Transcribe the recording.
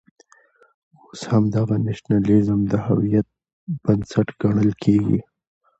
اوس همدغه نېشنلېزم د هویت بنسټ ګڼل کېږي.